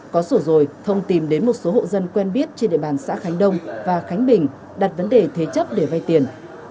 có sổ rồi thông tìm đến một số hộ dân quen biết trên địa bàn xã khánh đông và khánh bình đặt vấn đề thế chấp để vay tiền